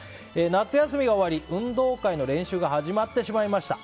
夏休みが終わり、運動会の練習が始まってしまいました。